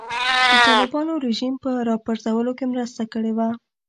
د طالبانو رژیم په راپرځولو کې مرسته کړې وه.